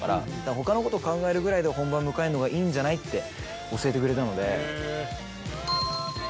他のことを考えるぐらいで本番迎えるのがいいんじゃない？って教えてくれたので。